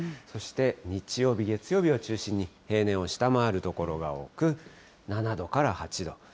そして、日曜日、月曜日を中心に、平年を下回る所が多く、７度から８度。